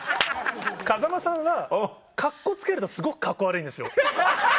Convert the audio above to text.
風間さんはカッコつけるとすごくカッコ悪いんですよ。